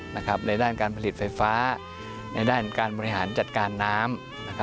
ในด้านการผลิตไฟฟ้าในด้านการบริหารจัดการน้ำ